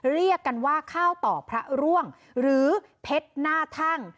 เรียกกันว่าข้าวต่อพระร่วงหรือเพชรหน้าทั่ง